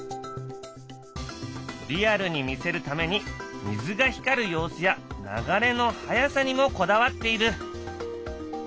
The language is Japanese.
リアルに見せるために水が光る様子や流れの速さにもこだわっている。